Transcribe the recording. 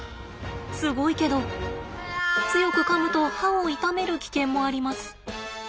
すごいけど強くかむと歯を痛める危険もあります。